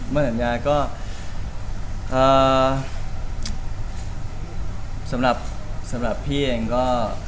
เมื่อสัญญาก็